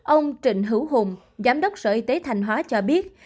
ông trịnh hữu hùng giám đốc sở y tế thanh hóa cho biết